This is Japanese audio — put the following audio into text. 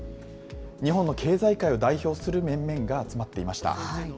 日本の経済界を代表する面々が集まっていました。